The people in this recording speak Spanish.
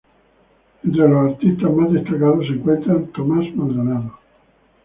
Entre los artistas más destacados se encuentran Tomás Maldonado.